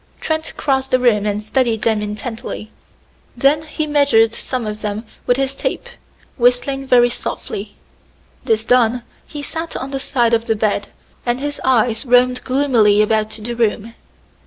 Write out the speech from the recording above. Trent crossed the room and studied them intently; then he measured some of them with his tape, whistling very softly. This done, he sat on the side of the bed, and his eyes roamed gloomily about the room.